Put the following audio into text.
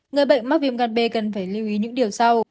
người bệnh mắc viêm gan b cần phải lưu ý những điều sau